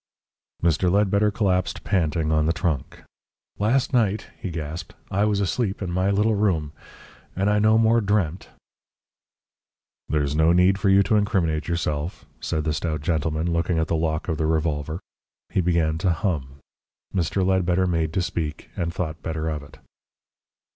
Mr. Ledbetter collapsed panting on the trunk. "Last night," he gasped, "I was asleep in my little room, and I no more dreamt " "There's no need for you to incriminate yourself," said the stout gentleman, looking at the lock of the revolver. He began to hum. Mr. Ledbetter made to speak, and thought better of it.